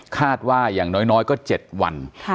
ว่าอย่างน้อยก็๗วัน